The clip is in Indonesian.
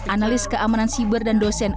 analis keamanan siber dan dosen